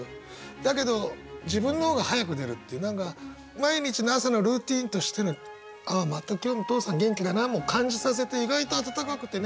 だけど自分の方が早く出るっていう何か毎日の朝のルーティンとしての「ああまた今日も父さん元気だな」も感じさせて意外と温かくてね。